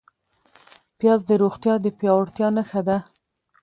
پیاز د روغتیا د پیاوړتیا نښه ده